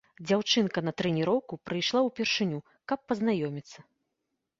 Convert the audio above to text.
Дзяўчынка на трэніроўку прыйшла ўпершыню, каб пазнаёміцца.